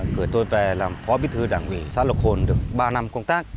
gửi tôi về làm phó bí thư đảng ủy xã lộc hồn được ba năm công tác